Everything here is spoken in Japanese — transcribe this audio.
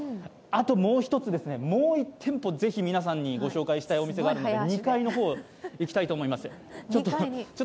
もう一つ、もう１店舗、皆さんにご紹介したいお店があるんですけど２階の方へ行きたいと思います。